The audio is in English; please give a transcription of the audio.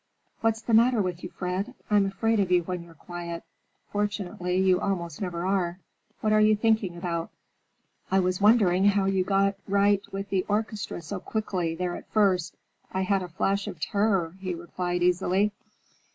"What's the matter with you, Fred? I'm afraid of you when you're quiet,—fortunately you almost never are. What are you thinking about?" "I was wondering how you got right with the orchestra so quickly, there at first. I had a flash of terror," he replied easily.